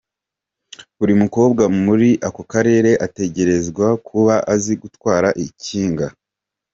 Buri mukobwa muri ako karere ategerezwa kuba azi gutwara ikinga.